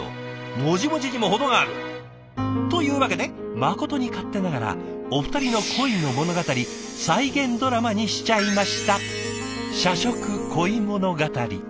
もじもじにも程がある！というわけでまことに勝手ながらお二人の恋の物語再現ドラマにしちゃいました。